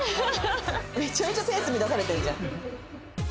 めちゃめちゃペース乱されてるじゃん。